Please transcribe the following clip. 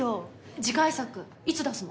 次回作いつ出すの？